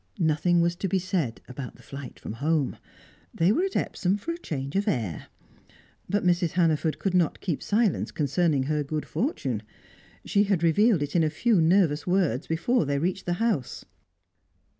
Nothing was to be said about the flight from home; they were at Epsom for a change of air. But Mrs. Hannaford could not keep silence concerning her good fortune; she had revealed it in a few nervous words, before they reached the house.